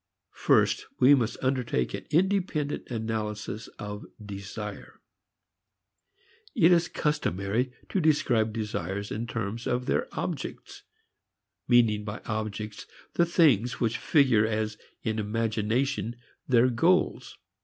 First we must undertake an independent analysis of desire. It is customary to describe desires in terms of their objects, meaning by objects the things which figure as in imagination their goals.